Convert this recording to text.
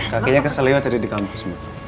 kakinya kesel leo tadi di kampus